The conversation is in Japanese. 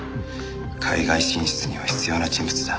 海外進出には必要な人物だ。